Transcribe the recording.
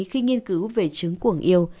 khi nghiên cứu về chứng cuồng yêu